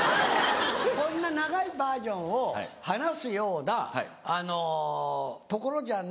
こんな長いバージョンを話すようなところじゃないと思いますよ。